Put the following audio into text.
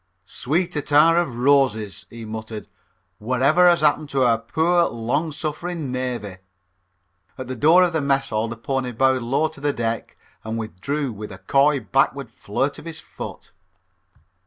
"Sweet attar of roses," he muttered. "What ever has happened to our poor, long suffering navy?" At the door of the Mess Hall the pony bowed low to the deck and withdrew with a coy backward flirt of his foot.